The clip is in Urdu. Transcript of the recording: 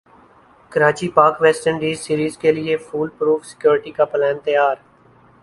Karachi Pak West Indies series کیلئے فول پروف سیکورٹی پلان تیار